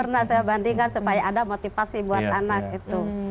pernah saya bandingkan supaya ada motivasi buat anak itu